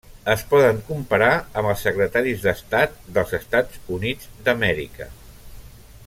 Es poden comparar amb els secretaris d'estat dels Estats Units d'Amèrica.